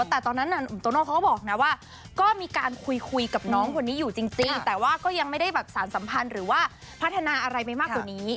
แต่ตอนนั้นหนุ่มโตโน่เขาก็บอกนะว่าก็มีการคุยกับน้องคนนี้อยู่จริงแต่ว่าก็ยังไม่ได้แบบสารสัมพันธ์หรือว่าพัฒนาอะไรไปมากกว่านี้